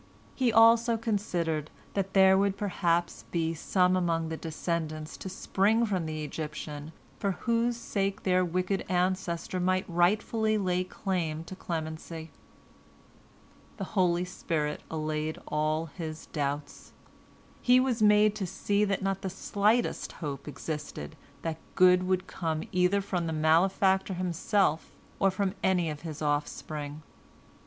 He also considered, that there would perhaps be some among the descendants to spring from the Egyptian for whose sake their wicked ancestor might rightfully lay claim to clemency. The holy spirit allayed all his doubts. He was made to see that not the slightest hope existed that good would come either from the malefactor himself or from any of his offspring.